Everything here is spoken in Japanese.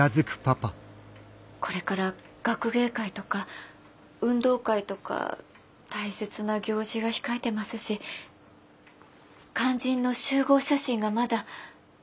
これから学芸会とか運動会とか大切な行事が控えてますし肝心の集合写真がまだ。